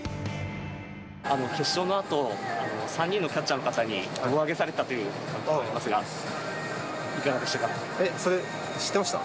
決勝のあと、３人のキャッチャーの方に胴上げされてたという話がありますが、えっ、それ知ってました？